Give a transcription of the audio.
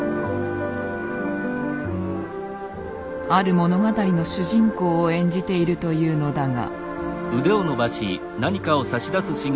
ある物語の主人公を演じているというのだが。